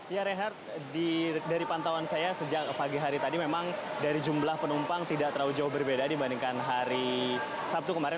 ya rehat dari pantauan saya sejak pagi hari tadi memang dari jumlah penumpang tidak terlalu jauh berbeda dibandingkan hari sabtu kemarin